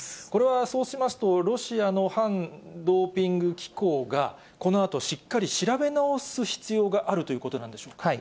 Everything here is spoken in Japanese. これはそうしますと、ロシアの反ドーピング機構が、このあとしっかり調べ直す必要があるということなんでしょうか？